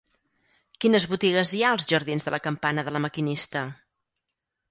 Quines botigues hi ha als jardins de la Campana de La Maquinista?